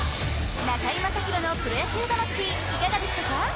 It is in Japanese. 『中居正広のプロ野球魂』いかがでしたか？